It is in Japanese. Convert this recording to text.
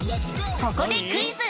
ここでクイズ。